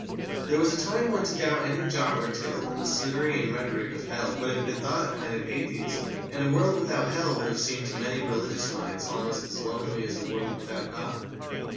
There was a time when to doubt any jot or tittle in the scenery and rhetoric of Hell would have been thought a kind of atheism, and a world without Hell would have seemed to many religious minds almost as lonely as a world without God.